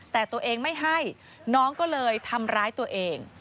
แต่ตัวเองไม่ให้น้องก็เลยทำร้ายตัวเอง